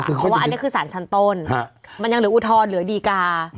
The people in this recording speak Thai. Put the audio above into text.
เพราะว่าอันนี้คือสารชั้นต้นมันยังเหลืออุทธรณ์เหลือดีกา